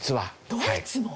ドイツも！？